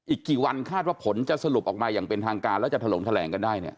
อีกกี่วันคาดว่าผลจะสรุปออกมาอย่างเป็นทางการแล้วจะถล่มแถลงกันได้เนี่ย